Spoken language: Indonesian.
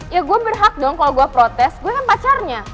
ya gue berhak dong kalau gue protes gue yang pacarnya